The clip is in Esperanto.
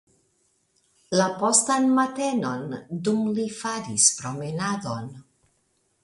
La postan matenon, dum li faris promenadon.